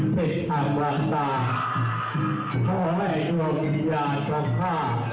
เผ็ดจราบเทพที่แสนตินอี้โต